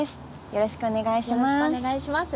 よろしくお願いします。